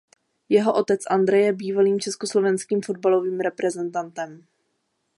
Jeho otec Andrej je bývalým československým fotbalovým reprezentantem.